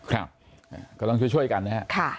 กำลังช่วยกันนะครับ